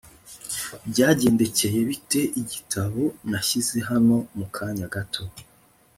byagendekeye bite igitabo nashyize hano mu kanya gato